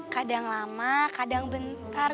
kadang lama kadang bentar